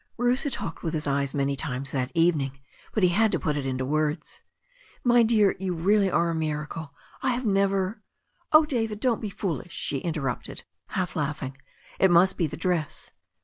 Bruce had talked with his eyes many times that evening, but he had to put it into words. "My dear, you really are a miracle. I have never 0h, David, don't be foolish," she interrupted, half laugh ing. "It must be the dress."